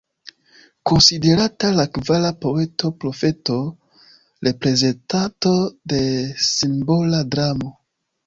Konsiderata la kvara poeto-profeto, reprezentanto de simbola dramo.